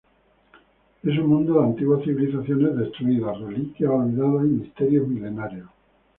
Es un mundo de antiguas civilizaciones destruidas, reliquias olvidadas, y misterios milenarios.